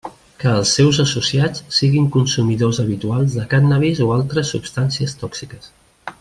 Que els seus associats siguin consumidors habitual de cànnabis o altres substàncies tòxiques.